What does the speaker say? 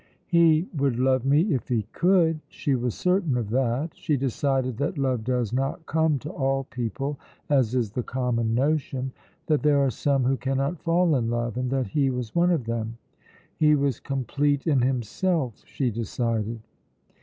"He would love me if he could." She was certain of that. She decided that love does not come to all people, as is the common notion; that there are some who cannot fall in love, and that he was one of them. He was complete in himself, she decided.